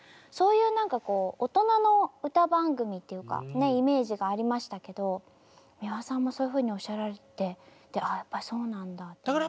そういう何かこう大人の歌番組っていうイメージがありましたけど美輪さんもそういうふうにおっしゃられてて「ああやっぱりそうなんだ」と。